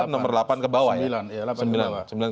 nomor delapan kebawah ya sembilan